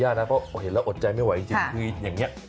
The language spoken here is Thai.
ข้างบัวแห่งสันยินดีต้อนรับทุกท่านนะครับ